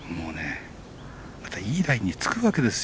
いいラインにつくわけですよ。